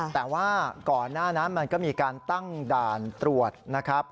แต่ว่าก่อนหน้านั้นมันก็มีการตั้งด่านตรวจนะครับ